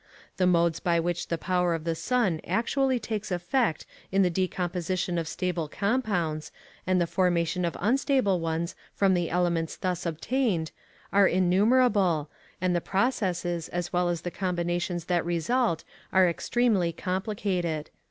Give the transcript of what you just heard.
The modes by which the power of the sun actually takes effect in the decomposition of stable compounds, and the formation of unstable ones from the elements thus obtained, are innumerable, and the processes as well as the combinations that result are extremely complicated.